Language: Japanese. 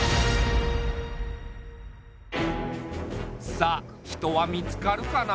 さあ人は見つかるかな？